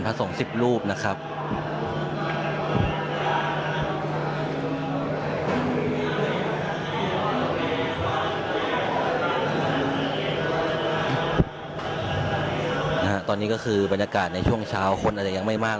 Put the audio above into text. ทีมข่าวของเราได้คุยกับพระสงฆ์ด้วยนะครับ